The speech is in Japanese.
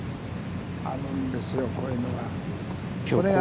あるんですよ、こういうのが。